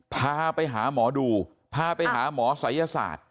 พาไปหาหมอดูพาไปหาหมอศัยศาสตร์